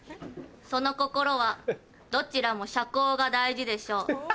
その心はどちらもシャコウが大事でしょう。